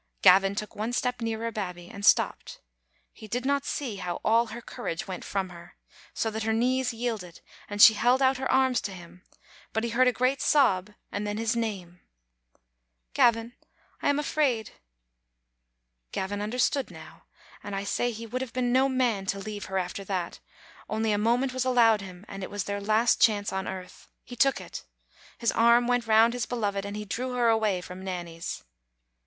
Gavin took .one step nearer Babbie and stopped. He did not see how all her courage went from her, so Digitized by VjOOQ IC XeaMng to tbe Bppalltnd Aarttage* d73 Ihat her knees yielded, and she held out her arms to him, but he heard a great sob and then his name. "Gavin, I am afraid." Gavin understood now, and I say he would have been no man to leave her after that; only a moment was allowed him, and it was their last chance on earth. He took it. His arm went round his beloved, and he drew her away from Nanny's.